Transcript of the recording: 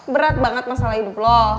berat banget masalah hidup lo hah